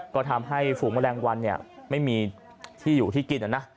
ก็ทำให้ฝูงแมลงวันเนี่ยไม่มีที่อยู่ที่กินนะนะ